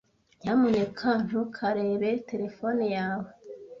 Nyamuneka ntukarebe terefone yawe